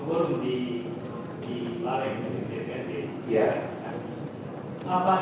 dan lain lain pak